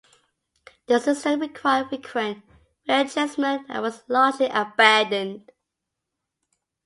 The system required frequent readjustment and was largely abandoned.